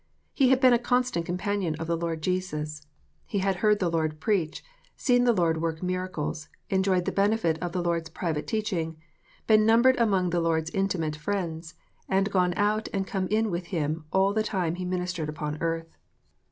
He had been a constant companion of the Lord Jesus. He had heard the Lord preach, seen the Lord work miracles, enjoyed the benefit of the Lord s private teaching, been numbered among the Lord s intimate friends, and gone out and come in with Him all the time He ministered upon earth.